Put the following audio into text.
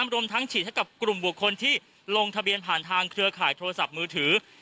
รวมทั้งฉีดให้กับกลุ่มบุคคลที่ลงทะเบียนผ่านทางเครือข่ายโทรศัพท์มือถือ